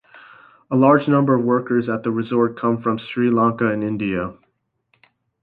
A large number of workers at the resort come from Sri Lanka and India.